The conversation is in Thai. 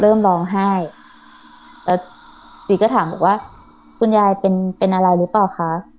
เริ่มร้องไห้แล้วจีก็ถามบอกว่าคุณยายเป็นเป็นอะไรหรือเปล่าคะ